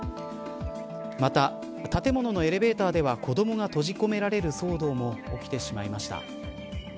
また、建物のエレベーターでは子どもが閉じ込められる騒動も起きてしまいました。